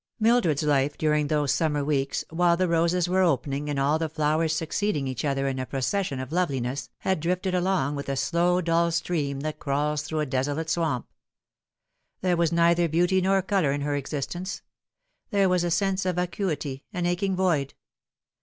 Mildred's life during those summer weeks, while the roses were opening and all the flowers succeeding each other in a pro cession of loveliness, had drifted along like a slow dull stream that crawls through a desolate swamp. There was neither beauty nor colour in her existence ; there was a sense of vacuity, an aching void.